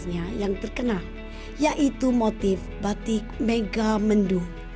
yang terkenal adalah motif batik mega mendung